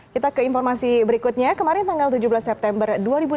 kita ke informasi berikutnya kemarin tanggal tujuh belas september dua ribu delapan belas